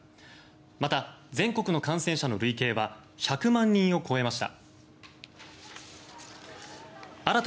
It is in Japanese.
また、全国の感染者の累計は１００万人を超えました。